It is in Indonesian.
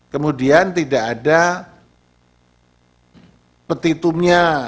kemudian tidak ada petitumnya